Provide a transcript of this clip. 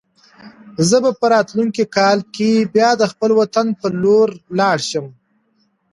زه به په راتلونکي کال کې بیا د خپل وطن په لور لاړ شم.